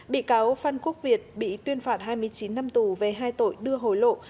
bị cáo phan quốc việt bị tuyên phạt hai mươi chín năm tù về hai tội đưa hồi lộ